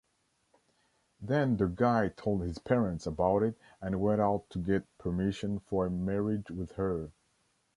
Then the guy told his parents about it and went out to get permission for a marriage with her.